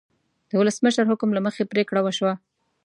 د ولسمشر حکم له مخې پریکړه وشوه.